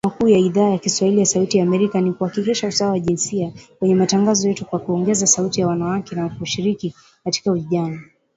Malengo makuu ya Idhaa ya kiswahili ya Sauti ya Amerika ni kuhakikisha usawa wa jinsia kwenye matangazo yetu kwa kuongeza sauti za wanawake na kuwashirikisha zaidi vijana